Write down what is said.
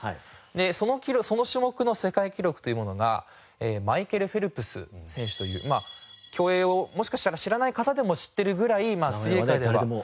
でその種目の世界記録というものがマイケル・フェルプス選手という競泳をもしかしたら知らない方でも知ってるぐらい水泳界では。